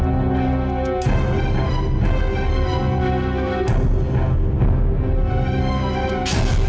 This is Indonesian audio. tidak mungkin mereka kabur dari sini